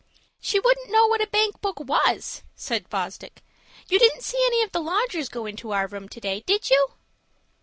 "She wouldn't know what a bank book was," said Fosdick. "You didn't see any of the lodgers go into our room to day, did you?"